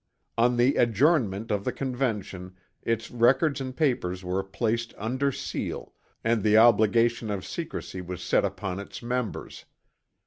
On the adjournment of the Convention its records and papers were placed under seal and the obligation of secrecy was set upon its members.